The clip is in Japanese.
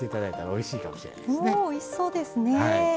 おおいしそうですねえ。